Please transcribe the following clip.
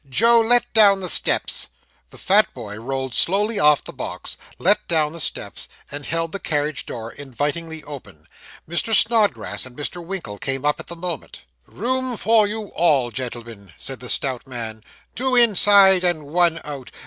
Joe, let down the steps.' The fat boy rolled slowly off the box, let down the steps, and held the carriage door invitingly open. Mr. Snodgrass and Mr. Winkle came up at the moment. 'Room for you all, gentlemen,' said the stout man. 'Two inside, and one out.